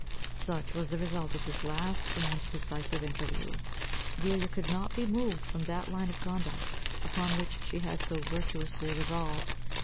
Such was the result of this last and decisive interview. Delia could not be moved from that line of conduct, upon which she had so virtuously resolved.